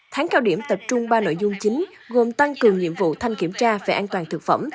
tháng cao điểm tập trung ba nội dung chính gồm tăng cường nhiệm vụ thanh kiểm tra về an toàn thực phẩm